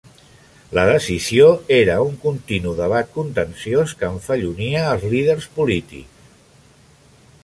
La decisió era un continu debat contenciós que enfellonia els líders polítics.